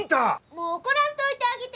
もう怒らんといてあげて。